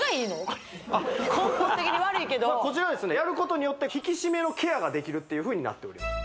これ根本的に悪いけどこちらはですねやることによってができるっていうふうになっております